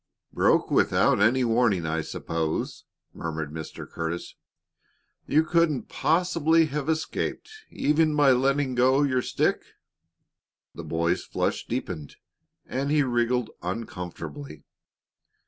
"Broke without any warning, I suppose," murmured Mr. Curtis. "You couldn't possibly have escaped even by letting go your stick." The boy's flush deepened, and he wriggled uncomfortably.